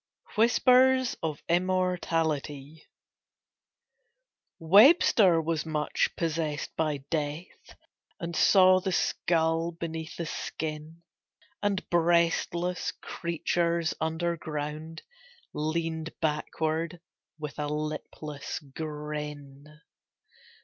Whispers of Immortality Webster was much possessed by death And saw the skull beneath the skin; And breastless creatures under ground Leaned backward with a lipless grin.